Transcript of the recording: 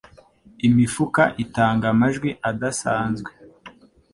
Imifuka itanga amajwi adasanzwe